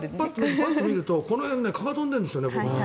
パッと見るとこの辺を蚊が飛んでるんですよ。